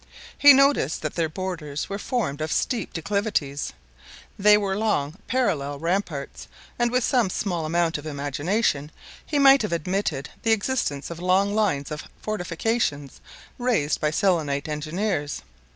He noticed that their borders were formed of steep declivities; they were long parallel ramparts, and with some small amount of imagination he might have admitted the existence of long lines of fortifications, raised by Selenite engineers.